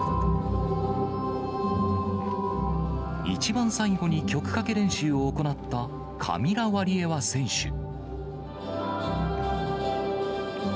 一番最後に曲かけ練習を行った、カミラ・ワリエワ選手。